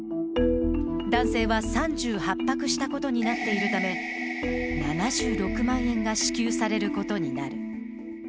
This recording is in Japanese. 男性は３８泊したことになっているため、７６万円が支給されることになる。